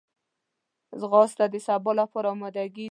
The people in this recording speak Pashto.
ځغاسته د سبا لپاره آمادګي ده